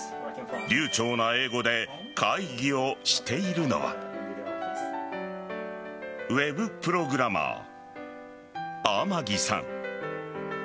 流ちょうな英語で会議をしているのはウェブプログラマー天城さん。